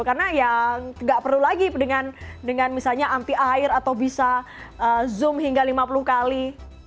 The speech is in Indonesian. karena ya nggak perlu lagi dengan misalnya anti air atau bisa zoom hingga lima puluh kali